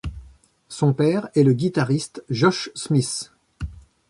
Son père est le guitariste Josh Smith.